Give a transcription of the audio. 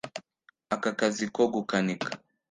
Aka kazi ko gukanika